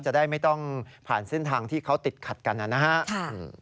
จะได้ไม่ต้องผ่านเส้นทางที่เขาติดขัดกันนะครับ